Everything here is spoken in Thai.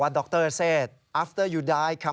ฟังเสียงคุณฟอร์กันนี่โมฮามัทอัตซันนะครับ